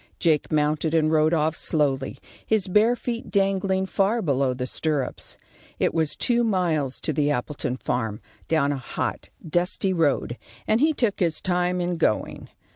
Jake mounted and rode off slowly, his bare feet dangling far below the stirrups. It was two miles to the Appleton farm, down a hot, dusty road, and he took his time in going.